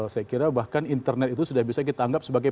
saya kira bahkan internet itu sudah bisa kita anggap sebagai